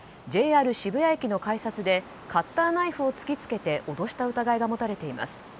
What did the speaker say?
ＪＲ渋谷駅の改札でカッターナイフを突きつけて脅した疑いが持たれています。